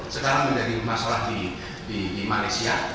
sekarang menjadi masalah di malaysia